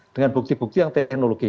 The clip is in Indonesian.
dengan bukti bukti yang teknologi